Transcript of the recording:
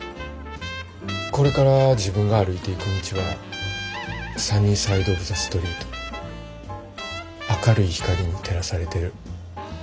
これから自分が歩いていく道はサニー・サイド・オブ・ザ・ストリート明るい光に照らされてる。